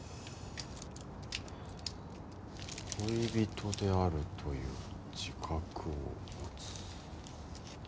恋人であるという自覚を持つ。